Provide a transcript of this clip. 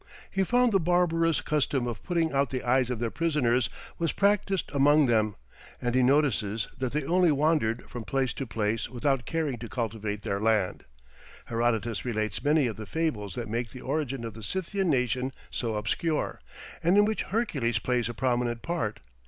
He found the barbarous custom of putting out the eyes of their prisoners was practised among them, and he notices that they only wandered from place to place without caring to cultivate their land. Herodotus relates many of the fables that make the origin of the Scythian nation so obscure, and in which Hercules plays a prominent part.